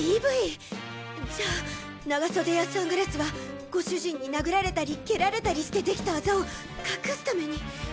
じゃあ長袖やサングラスはご主人に殴られたり蹴られたりしてできたアザを隠す為に。